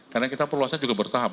karena kita perluasanya juga bertahap